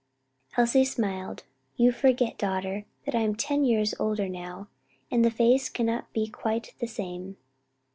Elsie smiled, "You forget, daughter, that I am ten years older now, and the face cannot be quite the same."